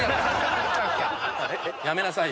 やめなさいよ！